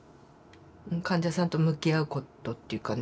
患者さんと向き合うことっていうかね